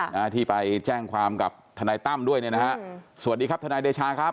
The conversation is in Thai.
นะที่ไปแจ้งความกับทนายตั้มด้วยเนี่ยนะฮะสวัสดีครับทนายเดชาครับ